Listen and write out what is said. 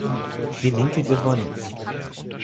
Die Linke gewonnen.